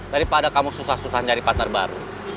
daripada kamu susah susah nyari partner baru